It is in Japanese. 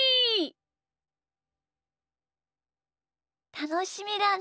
たのしみだね。